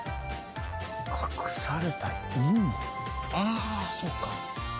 あそうか。